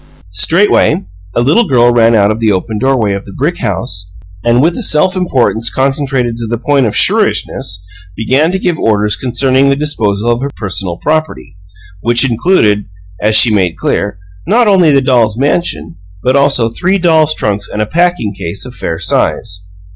Straightway, a little girl ran out of the open doorway of the brick house and, with a self importance concentrated to the point of shrewishness, began to give orders concerning the disposal of her personal property, which included (as she made clear) not only the dolls' mansion, but also three dolls' trunks and a packing case of fair size.